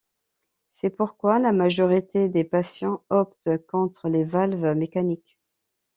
C’est pourquoi la majorité des patients optent contre les valves mécaniques.